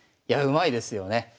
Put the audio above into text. うまいですよね。